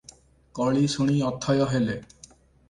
କଳି ଶୁଣି ଅଥୟ ହେଲେ ।